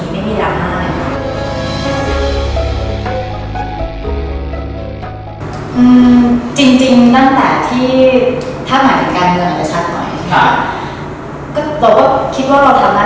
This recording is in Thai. และคุณจริงพี่ก็เบวัดนั้น